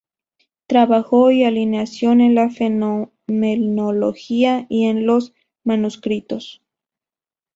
Trabajo y alienación en la Fenomenología y en los Manuscritos".